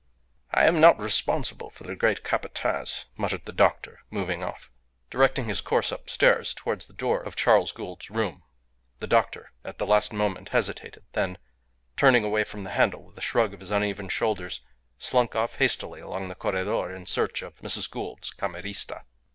"I am not responsible for the great Capataz," muttered the doctor, moving off. Directing his course upstairs towards the door of Charles Gould's room, the doctor at the last moment hesitated; then, turning away from the handle with a shrug of his uneven shoulders, slunk off hastily along the corredor in search of Mrs. Gould's camerista.